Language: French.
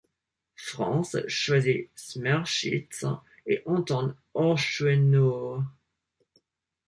Franz choisit Smirschitz et Anton Horschenowes.